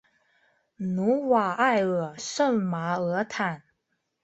努瓦埃尔圣马尔坦。